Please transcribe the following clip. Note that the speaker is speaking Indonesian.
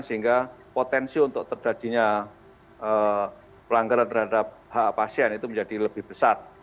sehingga potensi untuk terjadinya pelanggaran terhadap hak pasien itu menjadi lebih besar